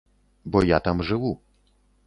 Бо я там жыву.